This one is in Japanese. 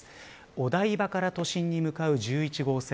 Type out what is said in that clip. お台場から都心に向かう１１号線